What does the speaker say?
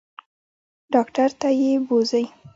ډاکټر ته یې بوزئ.